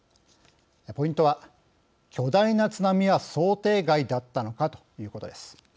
ポイントは巨大な津波は想定外だったのかということです。